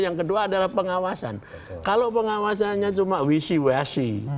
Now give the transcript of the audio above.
yang kedua adalah pengawasan kalau pengawasannya cuma wishy washy